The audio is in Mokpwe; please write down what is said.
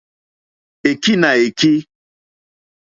Èkí nà èkí.